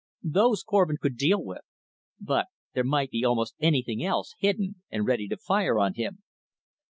Those Korvin could deal with; but there might be almost anything else hidden and ready to fire on him.